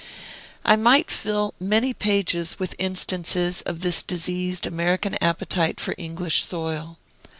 I might fill many pages with instances of this diseased American appetite for English soil.